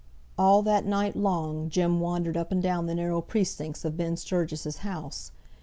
All that night long Jem wandered up and down the narrow precincts of Ben Sturgis's house.